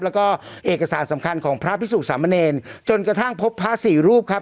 แล้วก็เอกสารสำคัญของพระพิสุสามเนรจนกระทั่งพบพระสี่รูปครับ